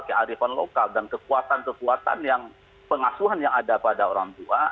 kearifan lokal dan kekuatan kekuatan yang pengasuhan yang ada pada orang tua